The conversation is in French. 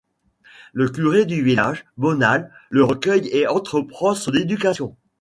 Le curé du village, Bonal, le recueille et entreprend son éducation.